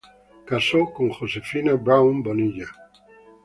Casó con Josefina Braun Bonilla.